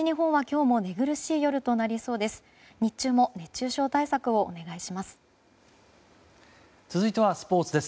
日中も熱中症対策をお願いします。